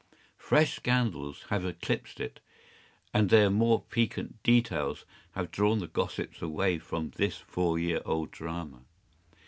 Fresh scandals have eclipsed it, and their more piquant details have drawn the gossips away from this four year old drama.